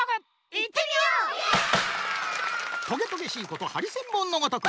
トゲトゲしいことハリセンボンのごとく。